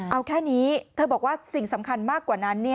เอาแค่นี้เธอบอกว่าสิ่งสำคัญมากกว่านั้น